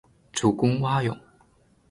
主攻蛙泳。